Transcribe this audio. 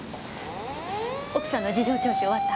奥さんの事情聴取終わった？